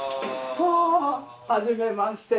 うわはじめまして。